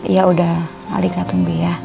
ya udah halika tunggu ya